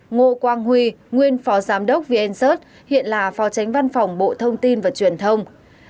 hai ngô quang huy nguyên phó giám đốc vnz hiện là phó tránh văn phòng bộ thông tin và truyền thông